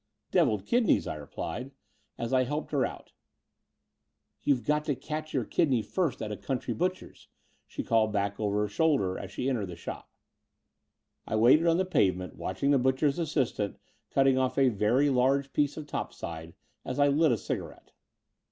"Devilled kidneys," I replied, as I hdped her out. "You've got to catch your kidney first at a xo 146 The Door of the Unreal country butcher's," she called back over her shoulder, as she entered the shop. I waited on the pavement, watching the butcher's assistant cutting off a very large piece of topside, as I lit a cigarette.